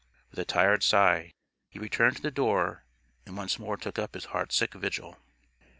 With a tired sigh he returned to the door and once more took up his heartsick vigil.